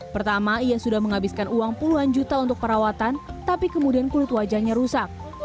pertama ia sudah menghabiskan uang puluhan juta untuk perawatan tapi kemudian kulit wajahnya rusak